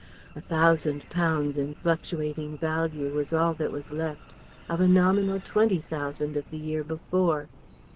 A thousand pounds in fluctuating value was all that was left of a nominal twenty thousand of the year before.